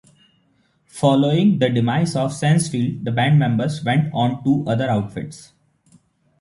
Following the demise of Sense Field the band members went on to other outfits.